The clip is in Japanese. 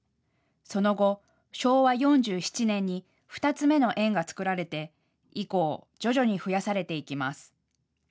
その後、昭和４７年に２つ目の園が作られて以降、徐々に増やされていきます。